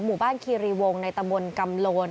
หมู่บ้านคีรีวงในตะบลกำโลน